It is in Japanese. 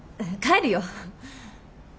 帰るよ。